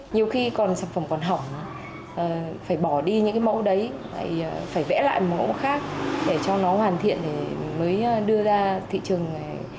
nhiều khi còn sản phẩm còn hỏng phải bỏ đi những cái mẫu đấy phải vẽ lại một mẫu khác để cho nó hoàn thiện để mới đưa ra thị trường này